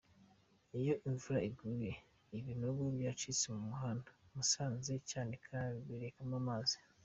Iyo imvura iguye ibinogo byacitse mu muhanda Musanze-Cyanika birekamo amazi.